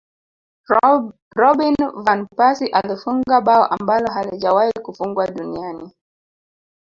robin van persie alifunga bao ambalo halijawahi Kufungwa duniani